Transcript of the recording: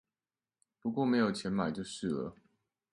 不過沒有錢買就是了